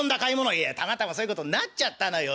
「いやたまたまそういうことになっちゃったのよ。